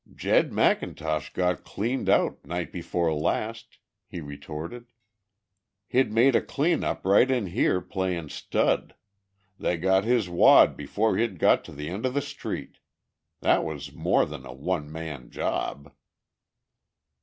"Jed Macintosh got cleaned out night before last," he retorted. "He'd made a clean up right in here playin' stud. They got his wad before he'd gone to the end of the street. That was more than a one man job."